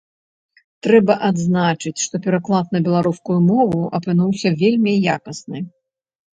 Трэба адзначыць, што пераклад на беларускую мову апынуўся вельмі якасны.